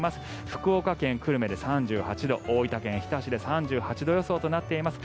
福岡県久留米で３８度大分県日田市で３８度予想となっています。